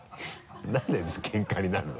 なんでケンカになるのよ？